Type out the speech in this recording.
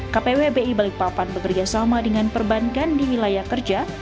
kpwbi balikpapan bekerjasama dengan perbankan di wilayah kerja